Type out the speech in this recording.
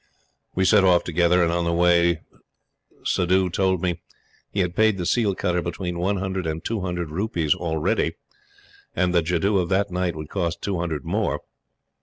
We set off together; and on the way Suddhoo told me he had paid the seal cutter between one hundred and two hundred rupees already; and the jadoo of that night would cost two hundred more.